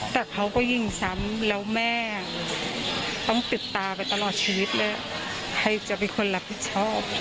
แต่เขาก็ยิงซ้ำแล้วแม่ต้องปิดตาไปตลอดชีวิตเลยใครจะเป็นคนรับผิดชอบ